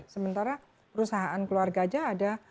sementara perusahaan keluarga aja ada